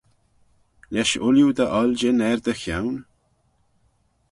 Lesh ooilley dty 'oiljyn er dty chione?